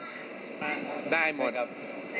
สายแม่ทั้งหมด